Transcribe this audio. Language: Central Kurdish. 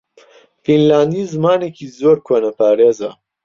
فینلاندی زمانێکی زۆر کۆنەپارێزە.